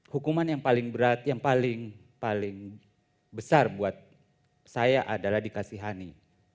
hukuman yang paling berat yang paling besar buat saya adalah dikasihani